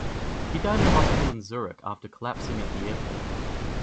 He died at a hospital in Zurich after collapsing at the airport.